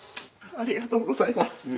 ありがとうございます。